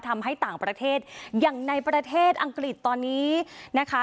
ทำให้ต่างประเทศอย่างในประเทศอังกฤษตอนนี้นะคะ